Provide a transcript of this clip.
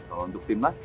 kalau untuk tim mas